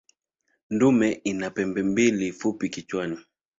Dume ina pembe mbili fupi kichwani.